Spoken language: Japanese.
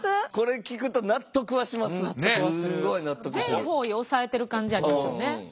全方位押さえてる感じありますよね。